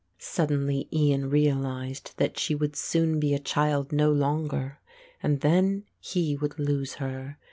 Suddenly Ian realised that she would soon be a child no longer, and then he would lose her.